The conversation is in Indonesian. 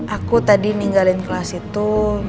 aku tadi ninggalin kelas itu